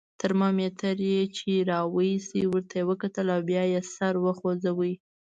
ترمامیتر یې چې را وایست، ورته یې وکتل او بیا یې سر وخوځاوه.